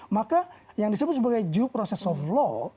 maka yang disebut sebagai due process of law